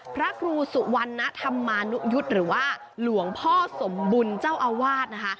พระครูสุวรรณธรรมานุยุทธ์หรือว่าหลวงพ่อสมบุญเจ้าอาวาสนะคะ